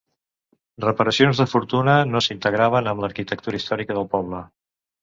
Reparacions de fortuna no s'integraven amb l'arquitectura històrica del poble.